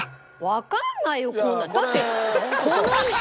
わかんないよこんな。